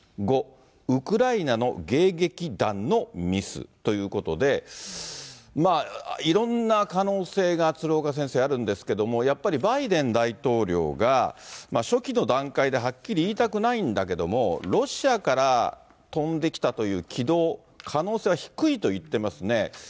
５、ウクライナの迎撃弾のミス。ということで、いろんな可能性が、鶴岡先生、あるんですけども、やっぱりバイデン大統領が、初期の段階ではっきり言いたくないんだけども、ロシアから飛んできたという軌道、可能性は低いと言ってますね。